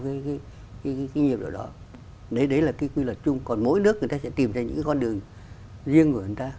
cái kinh nghiệm đó đấy là cái quy luật chung còn mỗi nước người ta sẽ tìm ra những con đường riêng của